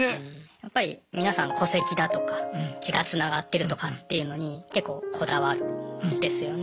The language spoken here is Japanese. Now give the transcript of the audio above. やっぱり皆さん戸籍だとか血がつながってるとかっていうのに結構こだわるんですよね。